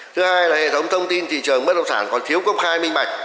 thứ hai là hệ thống thông tin thị trường bất động sản còn thiếu công khai minh bạch